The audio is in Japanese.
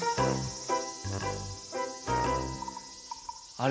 あれ？